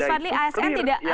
mas fadli asn tidak